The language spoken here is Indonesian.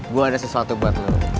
gue ada sesuatu buat lo